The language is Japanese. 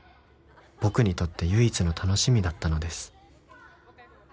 「僕にとって唯一の楽しみだったのです」